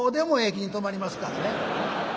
駅に止まりますからね。